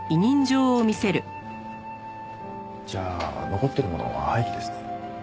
じゃあ残ってるものは廃棄ですね。